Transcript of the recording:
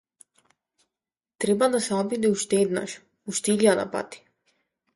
Треба да се обиде уште еднаш, уште илјада пати.